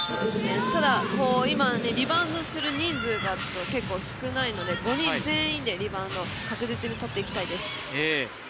ただ、今リバウンドする人数が結構、少ないので５人全員でリバウンド確実にとっていきたいです。